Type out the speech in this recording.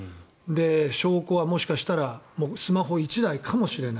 証拠はもしかしたらもうスマホ１台かもしれない。